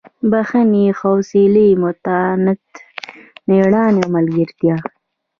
بښنې حوصلې متانت مېړانې او ملګرتیا.